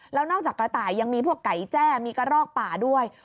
แล้วนอกจากกระต่ายยังมีพวกไก่แจ้มีกระรอกป่าด้วย